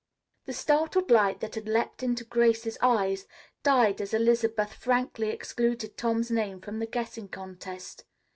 The startled light that had leaped into Grace's eyes died as Elizabeth frankly excluded Tom's name from the guessing contest.